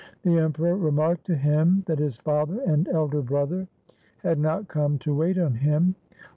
The Emperor remarked to him that his father and elder brother had not come to wait on him.